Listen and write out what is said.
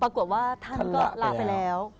ปรากฏว่าท่านก็ลาไปแล้ว